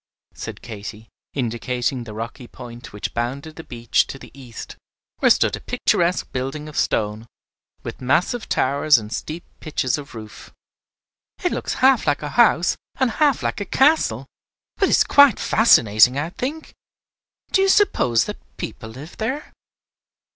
said Katy, indicating the rocky point which bounded the beach to the east, where stood a picturesque building of stone, with massive towers and steep pitches of roof. "It looks half like a house and half like a castle, but it is quite fascinating, I think. Do you suppose that people live there?"